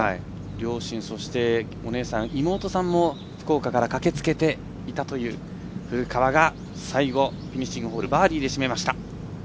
両親そしてお姉さん、妹さんも福岡から駆けつけていたという古川が最後フィニッシングボールバーディーで締めました。